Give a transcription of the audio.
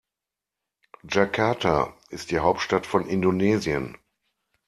Jakarta ist die Hauptstadt von Indonesien.